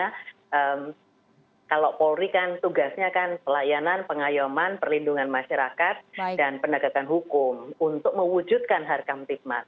karena kalau polri kan tugasnya kan pelayanan pengayuman perlindungan masyarakat dan penegakan hukum untuk mewujudkan harkam tikmas